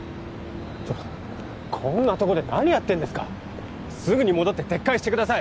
ちょっこんなとこで何やってんですかすぐに戻って撤回してください！